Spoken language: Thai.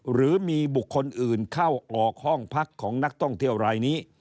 หรือมีบุคคลอื่นเข้าออกห้องพักของนักท่องเที่ยวรายนี้